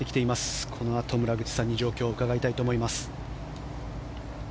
このあと村口さんに状況を伺いたいと思います。